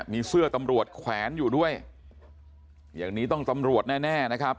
มีเสื้อตำรวจแขวนอยู่ด้วยอย่างนี้ต้องตำรวจแน่แน่นะครับ